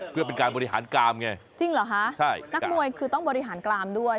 เพื่อเป็นการบริหารกรามไงจริงเหรอคะใช่นักมวยคือต้องบริหารกรามด้วย